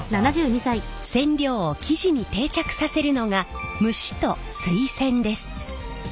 染料を生地に定着させるのが蒸しと水洗です。